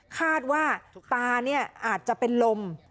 คาดว่าตาอาจจะเป็นลม